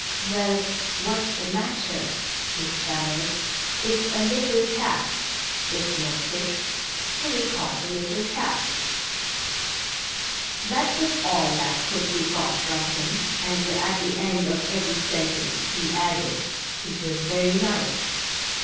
"Well, what's the matter? " he stammered. " It's a little cask — there's no fish, so we caught a little cask." That was all that could be got from him, and at the end of every sentence he added : "It was very nice !